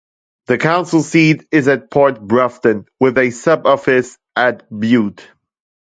The council seat is at Port Broughton, with a sub-office at Bute.